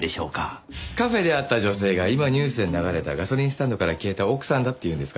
カフェで会った女性が今ニュースで流れたガソリンスタンドから消えた奥さんだって言うんですか？